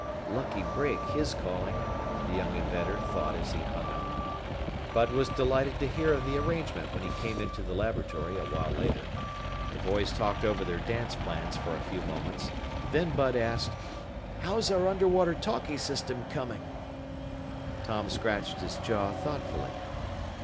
"Lucky break, his calling," the young inventor thought as he hung up. Bud was delighted to hear of the arrangement when he came into the laboratory a while later. The boys talked over their dance plans for a few moments, then Bud asked: "How's our underwater talkie system coming?" Tom scratched his jaw thoughtfully.